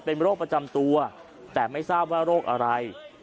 เป็นโรคประจำตัวแต่ไม่ทราบว่าโรคอะไร